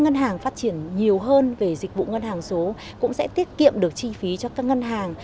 nhiều hơn về dịch vụ ngân hàng số cũng sẽ tiết kiệm được chi phí cho các ngân hàng